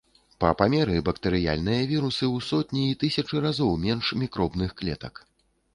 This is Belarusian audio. Па памеры бактэрыяльныя вірусы ў сотні і тысячы разоў менш мікробных клетак.